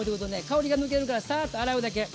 香りが抜けるからサーッと洗うだけ。